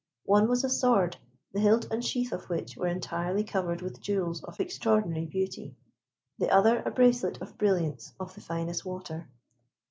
One was a sword, the hilt and sheath of which were entirely covered with jewels of extraordinary beauty. The other, a bracelet of brilliants of the finest water.